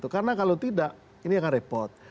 karena kalau tidak ini akan repot